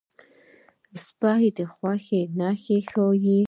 سپي د خوښۍ نښې ښيي.